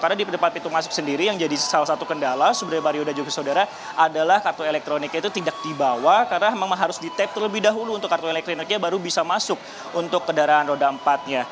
karena di depan pintu masuk sendiri yang jadi salah satu kendala sebenarnya barioda juga saudara adalah kartu elektroniknya itu tidak dibawa karena memang harus di tap terlebih dahulu untuk kartu elektroniknya baru bisa masuk untuk kendaraan roda empat nya